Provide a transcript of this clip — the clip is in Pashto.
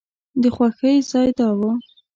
د خوښۍ ځای دا و.